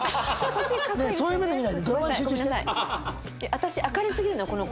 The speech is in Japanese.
私明るすぎるのこの子。